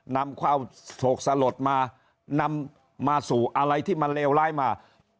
นำความโศกสลดมานำมาสู่อะไรที่มันเลวร้ายมา